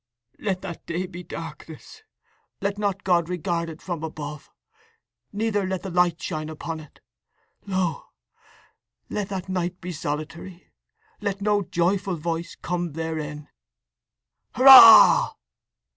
_"Let that day be darkness; let not God regard it from above, neither let the light shine upon it. Lo, let that night be solitary, let no joyful voice come therein."_ ("Hurrah!")